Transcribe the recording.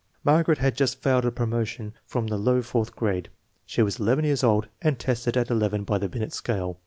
1 Margaret had just failed of promotion from the low fourth grade. She was eleven years old, and tested at eleven by the Binet scale.